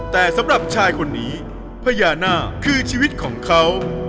แต่สำหรับชายคนนี้พญานาคคือชีวิตของเขา